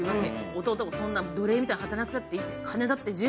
弟も、そんな奴隷みたいに働かなくていいと。